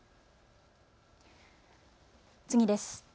次です。